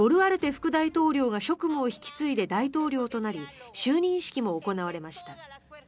副大統領が職務を引き継いで大統領となり就任式も行われました。